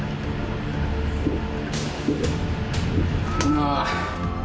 ああ。